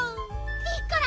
ピッコラ